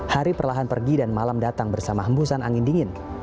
hari perlahan pergi dan malam datang bersama hembusan angin dingin